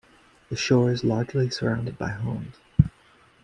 The shore is largely surrounded by homes.